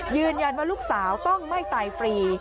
ยืนยันว่าลูกสาวต้องไม่ตายฟรี